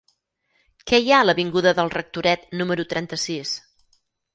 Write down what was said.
Què hi ha a l'avinguda del Rectoret número trenta-sis?